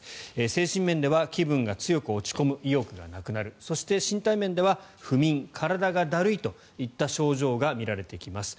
精神面では気分が強く落ち込む意欲がなくなるそして、身体面では不眠、体がだるいといった症状が見られてきます。